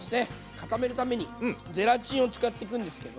固めるためにゼラチンを使っていくんですけど。